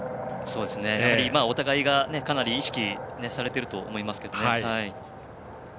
お互いがかなり意識されていると思います。